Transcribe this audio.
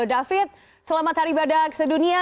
david selamat hari badak sedunia